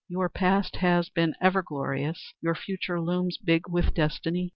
Your past has been ever glorious; your future looms big with destiny.